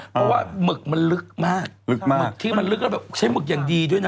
เพราะว่ามึกมันลึกมากที่มันลึกแล้วใช้มึกอย่างดีด้วยนะ